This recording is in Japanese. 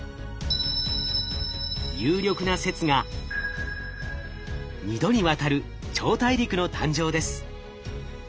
有力な説が２度にわたる超大陸の誕生です。